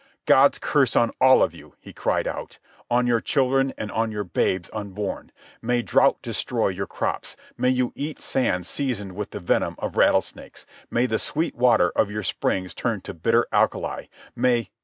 "God's curse on all of you!" he cried out. "On your children, and on your babes unborn. May drought destroy your crops. May you eat sand seasoned with the venom of rattlesnakes. May the sweet water of your springs turn to bitter alkali. May